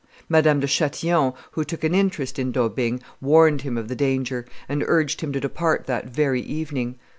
Madame de Chatillon, who took an interest in D'Aubigne, warned him of the danger, and urged him to depart that very evening.